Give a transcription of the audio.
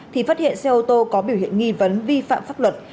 thì phát hiện xe ô tô có biểu hiện nghi vấn vi phạm pháp luật